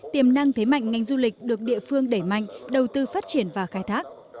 tiềm năng thế mạnh ngành du lịch được địa phương đẩy mạnh đầu tư phát triển và khai thác